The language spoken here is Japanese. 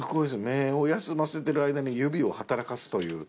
目を休ませてる間に指を働かすという。